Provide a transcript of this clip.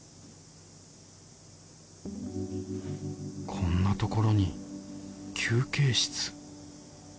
こんなところに休憩室。